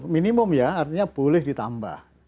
minimum ya artinya boleh ditambah